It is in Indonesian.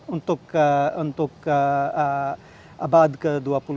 untuk abad ke dua puluh dua